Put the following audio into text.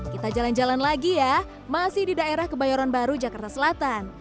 kita jalan jalan lagi ya masih di daerah kebayoran baru jakarta selatan